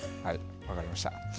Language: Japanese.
分かりました。